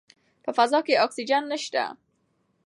په فضا کې اکسیجن نشته.